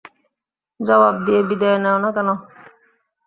জবাব দিয়ে বিদায় নেও না কেন?